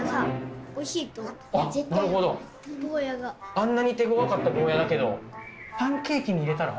あんなに手ごわかったゴーヤだけどパンケーキに入れたら？